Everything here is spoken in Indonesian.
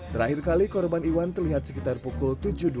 terakhir kali korban iwan terlihat sekitar pukul tujuh dua puluh